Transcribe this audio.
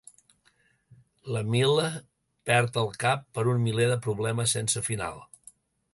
L'Émile perd el cap per un miler de problemes sense final.